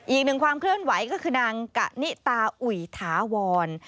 อีกหนึ่งความเคลื่อนไหวก็คือนางกะนิตาอุ๋ยถาวร